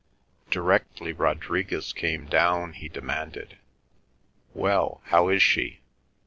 Directly Rodriguez came down he demanded, "Well, how is she?